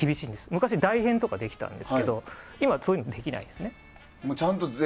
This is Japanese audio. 昔は代編とかできたんですけど今、そういうのもできないですよね。